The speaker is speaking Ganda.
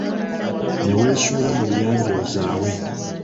Ne weesula mu liyanja ozaawe.